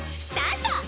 スタート！